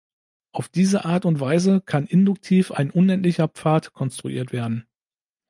Auf diese Art und Weise kann induktiv ein unendlicher Pfad konstruiert werden.